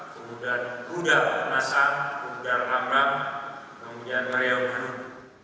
kemudian rudal nasa rudal rangnam kemudian mariam hanun